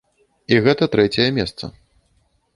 І гэта трэцяе месца.